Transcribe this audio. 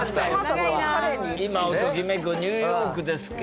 今をときめくニューヨークですけど。